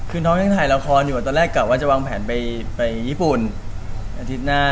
คือน้องยังถ่ายละครอยู่ตอนแรกกลับว่าจะวางแผนไปญี่ปุ่นอาทิตย์หน้า